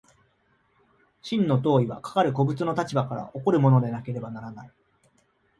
真の当為はかかる個物の立場から起こるものでなければならない。